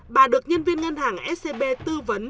bà được nhân viên ngân hàng scb tư vấn